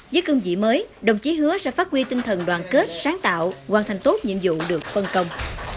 với cương vị mới đồng chí hứa sẽ phát huy tinh thần đoàn kết sáng tạo hoàn thành tốt nhiệm vụ được phân công